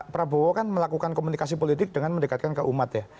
prabowo kan melakukan komunikasi politik dengan mendekatkan ke umat ya